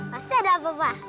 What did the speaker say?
pasti ada apa apa